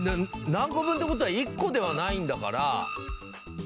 何個分って事は１個ではないんだから。